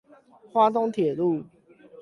花東鐵路